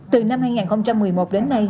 từ năm hai nghìn một mươi một đến nay